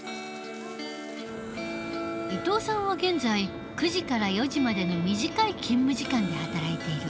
伊藤さんは現在９時から４時までの短い勤務時間で働いている。